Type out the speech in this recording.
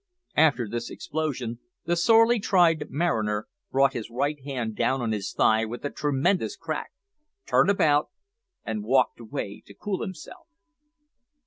After this explosion the sorely tried mariner brought his right hand down on his thigh with a tremendous crack, turned about and walked away to cool himself.